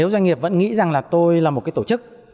doanh nghiệp vẫn nghĩ rằng là tôi là một tổ chức